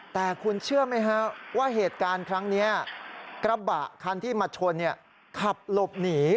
แต่คุณเชื่อไหมฮะว่าเหตุการณ์ครั้งนี้กระบะคันที่มาชนขับหลบหนี